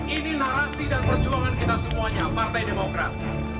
ini narasi dan perjuangan kita semuanya partai demokrat